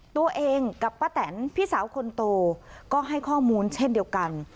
ตัวเองกับป้าแตนพี่สาวคนโตก็ให้ข้อมูลเช่นเดียวกัน